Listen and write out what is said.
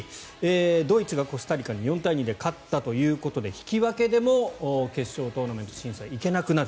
ドイツがコスタリカに４対２で勝ったということで引き分けでも決勝トーナメント進出は行けなくなる